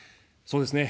そうですね。